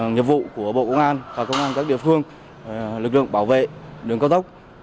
nghiệp vụ của bộ công an và công an các địa phương lực lượng bảo vệ đường cao tốc